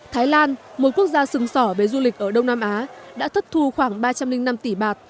thái lan một quốc gia sừng sỏ về du lịch ở đông nam á đã thất thu khoảng ba trăm linh năm tỷ bạt